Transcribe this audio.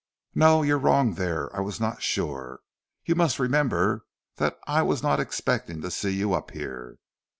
"No, you wrong me there! I was not sure. You must remember that I was not expecting to see you up here.